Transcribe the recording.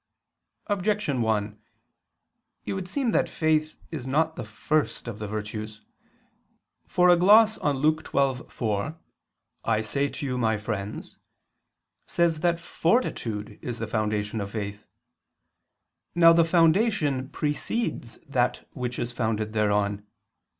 Objection 1: It would seem that faith is not the first of the virtues. For a gloss on Luke 12:4, "I say to you My friends," says that fortitude is the foundation of faith. Now the foundation precedes that which is founded thereon.